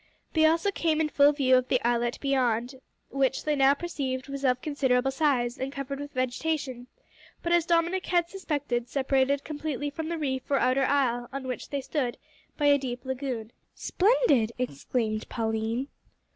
They also came in full view of the islet beyond, which, they now perceived, was of considerable size, and covered with vegetation, but, as Dominick had suspected, separated completely from the reef or outer isle on which they stood by a deep lagoon. "Splendid!" exclaimed Pauline.